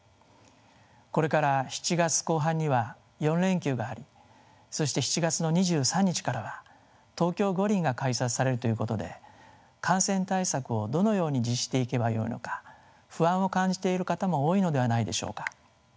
これから７月後半には４連休がありそして７月の２３日からは東京五輪が開催されるということで感染対策をどのように実施していけばよいのか不安を感じている方も多いのではないでしょうか。